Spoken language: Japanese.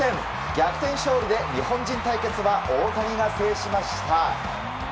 逆転勝利で日本人対決は大谷が制しました。